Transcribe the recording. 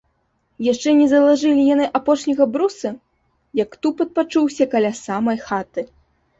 Яшчэ не залажылі яны апошняга бруса, як тупат пачуўся каля самай хаты.